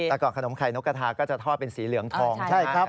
แต่ก่อนขนมไข่นกกระทาก็จะทอดเป็นสีเหลืองทองใช่ครับ